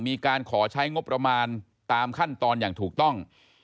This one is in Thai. มีการขอใช้งบประมาณตามขั้นตอนอย่างถูกต้อง